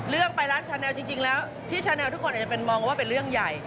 ไวรัสชาแนลจริงแล้วที่ชาแนลทุกคนอาจจะเป็นมองว่าเป็นเรื่องใหญ่